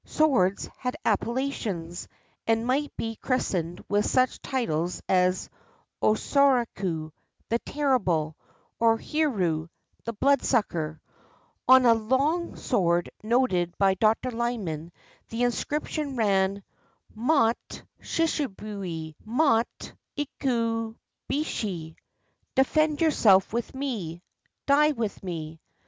Swords had appellations, and might be christened with such titles as Osoraku, "the terrible," or Hiru, " the blood sucker." On a long sword noted by Dr. Lyman the inscription ran " Motte shisubcshi, Motte 381 JAPAN ikubeshi/' "Defend yourself with me — die with me."